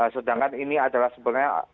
sedangkan ini adalah sebenarnya